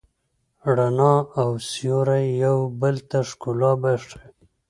رڼا او سیوری یو بل ته ښکلا بښي.